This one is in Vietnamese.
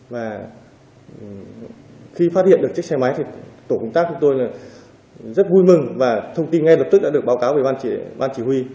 và khi phát hiện được chiếc xe máy thì tổ công tác của tôi rất vui mừng và thông tin ngay lập tức đã được báo cáo về ban chỉ huy